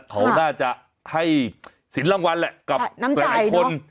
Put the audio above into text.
เขาน่าจะให้สินรางวัลแหละกับหลายคน